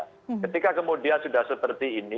ketika kemudian sudah seperti ini